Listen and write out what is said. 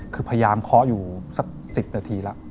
คือพยายามเคาะอยู่สัก๑๐นาทีแล้ว